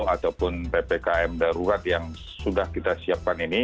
ataupun ppkm darurat yang sudah kita siapkan ini